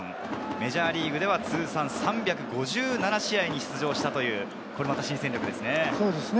メジャーリーグでは通算３５７試合に出場したという新戦力です。